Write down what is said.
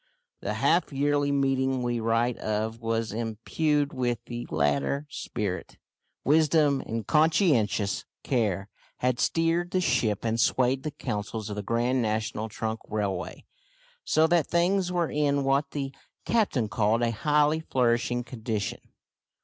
The half yearly meeting we write of was imbued with the latter spirit. Wisdom and conscientious care had steered the ship and swayed the councils of the Grand National Trunk Railway, so that things were in what the captain called a highly flourishing condition.